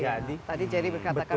iya tadi jerry berkata kan